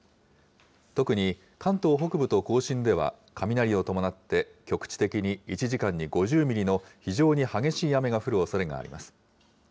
特に関東北部と甲信では、雷を伴って、局地的に１時間に５０ミリの非常に激しい雨が降るおそれがあります。